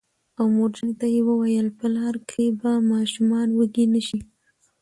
او مورجانې ته یې وویل: په لاره کې به ماشومان وږي نه شي